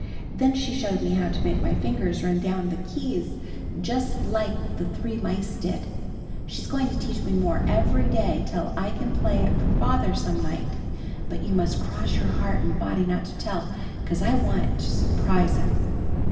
Then she showed me how to make my fingers run down the keys just like the three mice did. She's going to teach me more every day till I can play it for father some night. But you must cross your heart and body not to tell 'cause I want to s'prise him."